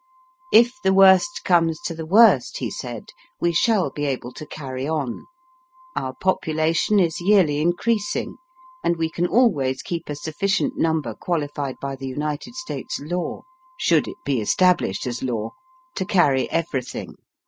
^^If the worst comes to the worst/' he said, " we shall be able to carry on. Our population is yearly increasing, and we can always keep a sufficient number qualified by the United States law — should it be estab lished as law — to carry everything.